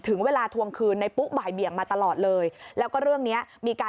ถึงเวลาทวงคืนในปุ๊กบ่ายเบียงมาตลอดเลย